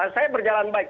saya berjalan baik